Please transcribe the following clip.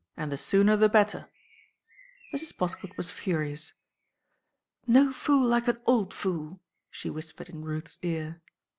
and the sooner the better." Mrs. Poskett was furious. "No fool like an old fool," she whispered in Ruth's ear.